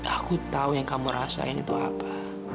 aku tahu yang kamu rasain itu apa